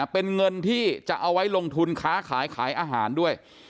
เป็นเงินที่จะเอาไว้ลงทุนค้าขายขายอาหารด้วย